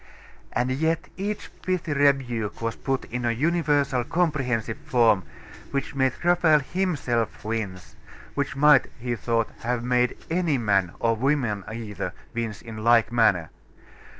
And yet each pithy rebuke was put in a universal, comprehensive form, which made Raphael himself wince which might, he thought, have made any man, or woman either, wince in like manner.